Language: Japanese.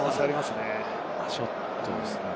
ショットですね。